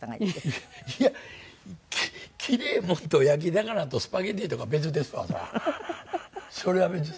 いやキレイもんと焼き魚とスパゲティとかは別ですわそれは。それは別です。